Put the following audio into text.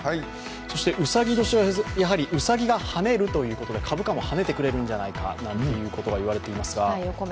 うさぎ年はうさぎが跳ねるということで株価も跳ねてくれるんじゃないかということが言われています。